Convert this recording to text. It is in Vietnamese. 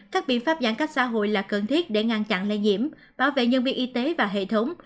các biện pháp giãn cách xã hội là cần thiết để ngăn chặn lây nhiễm bảo vệ nhân viên y tế và hệ thống